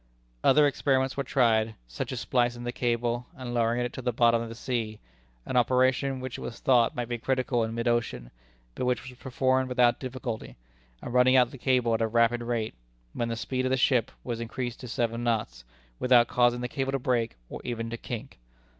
Other experiments were tried, such as splicing the cable, and lowering it to the bottom of the sea an operation which it was thought might be critical in mid ocean, but which was performed without difficulty and running out the cable at a rapid rate, when the speed of the ship was increased to seven knots, without causing the cable to break, or even to kink.